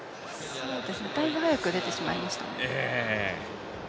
だいぶ早く出てしまいましたね。